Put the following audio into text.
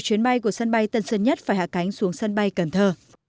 chuyến bay của sân bay tân sơn nhất phải hạ cánh xuống sân bay cần thơ